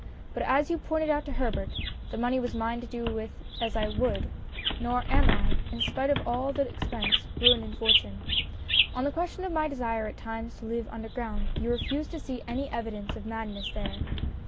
But as you pointed out to Herbert, the money was mine to do with as I would, nor am I, in spite of all the expense, ruined in fortune. On the question of my desire at times to live underground you refused to see any evidence of madness there.